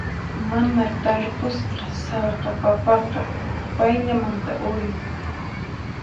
Mana tarpusqa sallqa papaqa payllamanta urin.